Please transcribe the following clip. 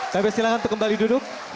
kb silahkan untuk kembali duduk